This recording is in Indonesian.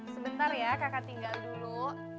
sebentar ya kakak tinggal dulu